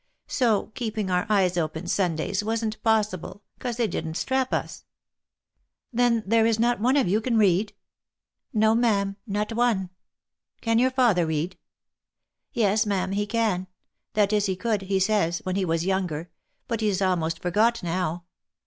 So keeping our eyes open Sundays wasn't possible, 'cause they didn't strap us." " Then there is not one of you can read ?"" No, ma'am, not one." " Can your father read?" " Yes, ma'am, he can. That is he could, he says, when he was younger, but he has almost forgot now.